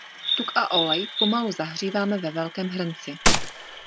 Tuk a olej pomalu zahříváme ve velkém hrnci.